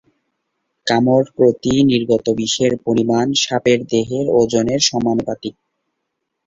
কামড় প্রতি নির্গত বিষের পরিমাণ সাপের দেহের ওজনের সমানুপাতিক।